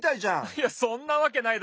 いやそんなわけないだろ。